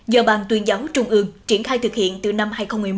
do ban tuyên giáo trung ương triển khai thực hiện từ năm hai nghìn một mươi một